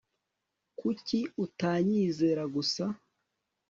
Kuki utanyizera gusa